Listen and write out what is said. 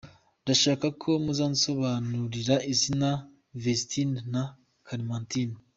Ndashakako muzansobanu rira izina vesitina na keremantina.